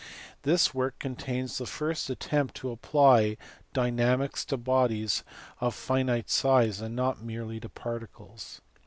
This work contains the first attempt to apply dynamics to bodies of finite size and not merely to particles.